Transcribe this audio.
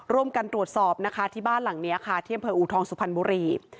ร่วมกันตรวจสอบนะคะที่บ้านหลังนี้ค่ะที่อำเภออูทองสุพรรณบุรี